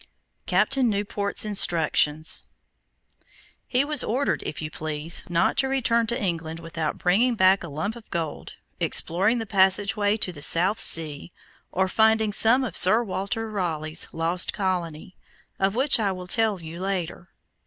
CAPTAIN NEWPORT'S INSTRUCTIONS He was ordered, if you please, not to return to England without bringing back a lump of gold, exploring the passageway to the South Sea, or finding some of Sir Walter Raleigh's lost colony, of which I will tell you later.